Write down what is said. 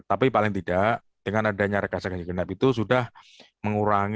tapi paling tidak dengan adanya rekan rekan yang genap itu sudah mengurangi